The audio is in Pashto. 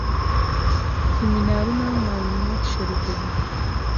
سیمینارونه معلومات شریکوي